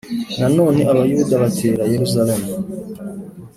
Nanone Abayuda batera Yerusalemu